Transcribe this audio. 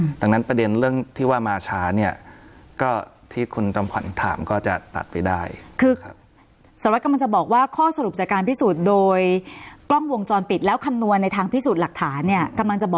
ดังนั้นประเด็นเรื่องที่ว่ามาช้าเนี่ยก็ที่คุณจอมขวัญถามก็จะตัดไปได้คือครับ